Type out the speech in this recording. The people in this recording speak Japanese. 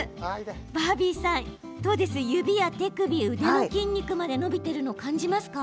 バービーさん、指や手首腕の筋肉まで伸びているのを感じますか？